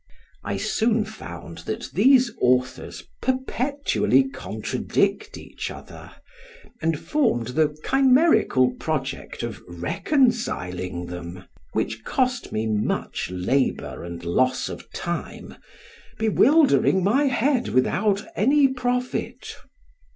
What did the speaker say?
I soon found that these authors perpetually contradict each other, and formed the chimerical project of reconciling them, which cost me much labor and loss of time, bewildering my head without any profit.